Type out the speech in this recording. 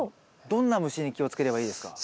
どんな虫に気をつければいいですか？